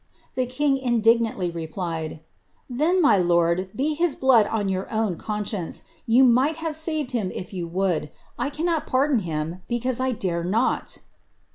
The king indignantly replied, ^ Then, my lord, be his blood on your own conscience; you might have saved him if you would: 1 cannot pardon him, because 1 dare not.''